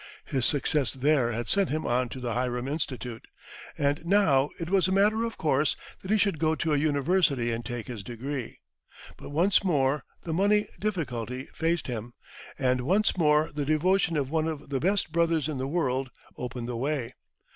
His success there had sent him on to the Hiram Institute, and now it was a matter of course that he should go to a university and take his degree. But once more the money difficulty faced him, and once more the devotion of one of the best brothers in the world opened the way.